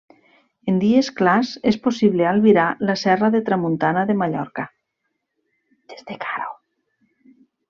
En dies clars és possible albirar la serra de Tramuntana de Mallorca.